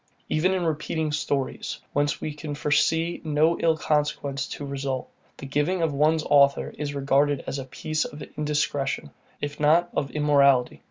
Even in repeating stories, whence we can foresee no ill consequences to result, the giving of one's author is regarded as a piece of indiscretion, if not of immorality.